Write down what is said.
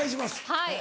はい。